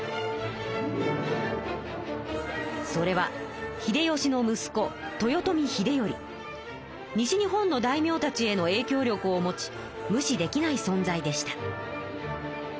それは秀吉のむす子西日本の大名たちへのえいきょう力を持ち無視できないそん在でした。